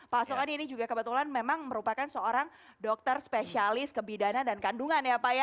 pak asokan ini juga kebetulan memang merupakan seorang dokter spesialis kebidanan dan kandungan ya pak ya